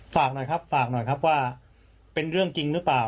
ฝากหน่อยครับฝากหน่อยครับว่าเป็นเรื่องจริงหรือเปล่า